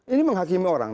ini menghakimi orang